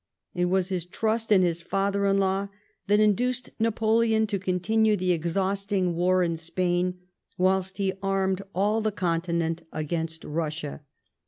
It was his trust in his father in law that induced Napoleon to continue the exhausting war in Spain whilst he armed all the Continent against Russia.